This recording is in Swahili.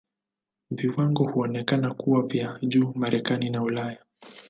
Viwango huonekana kuwa vya juu Marekani na Ulaya.